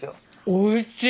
おいしい。